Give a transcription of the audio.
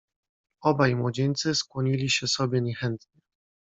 "Obaj młodzieńcy skłonili się sobie niechętnie."